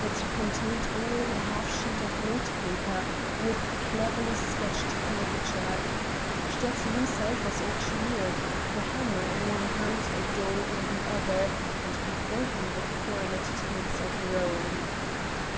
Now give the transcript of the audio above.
It contained only a half sheet of note paper, with a cleverly sketched caricature: Sterzl himself as auctioneer, the hammer in one hand a doll in the other, and before him the coroneted heads of Rome.